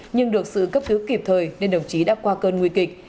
nhưng được sự cấp cứu kịp thời nên đồng chí đã qua cơn nguy kịch